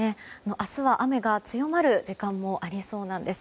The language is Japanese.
明日は雨が強まる時間もありそうなんです。